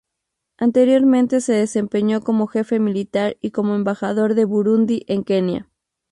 Anteriormente se desempeñó como jefe militar y como Embajador de Burundi en Kenia.